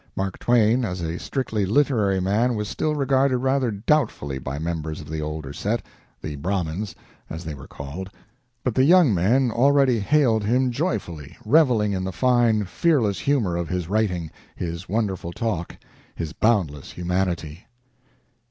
Mark Twain as a strictly literary man was still regarded rather doubtfully by members of the older set the Brahmins, as they were called but the young men already hailed him joyfully, reveling in the fine, fearless humor of his writing, his wonderful talk, his boundless humanity.